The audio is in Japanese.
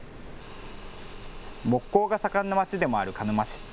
木工が盛んなまちでもある鹿沼市。